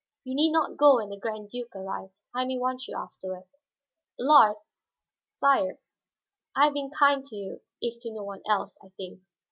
"You need not go when the Grand Duke arrives; I may want you afterward. Allard " "Sire?" "I have been kind to you, if to no one else, I think.